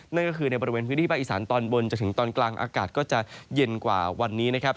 นั่นก็คือในบริเวณพื้นที่ภาคอีสานตอนบนจนถึงตอนกลางอากาศก็จะเย็นกว่าวันนี้นะครับ